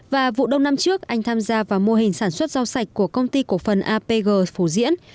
và vụ đông năm trước anh tham gia vào mô hình sản xuất rau sạch của công ty cổ phần apg phổ diễn